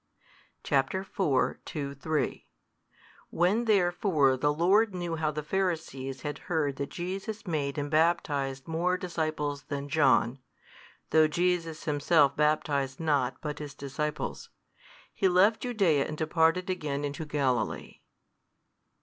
|201 Chap. iv.2, 3 When therefore the Lord knew how the Pharisees had heard that Jesus made and baptized more disciples than John (though Jesus Himself baptized not but His disciples), He left Judaea and departed again into Galilee.